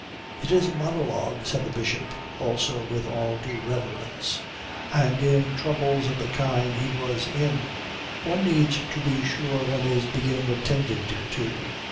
It is a monologue, said the Bishop also with all due reverence and in troubles of the kind he was in one needs to be sure one is being attended to.